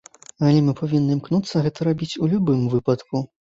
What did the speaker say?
Але мы павінны імкнуцца гэта рабіць у любым выпадку.